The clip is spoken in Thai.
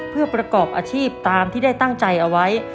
เพื่อประกอบอาชีพตามที่ได้ตั้งใจเอาไว้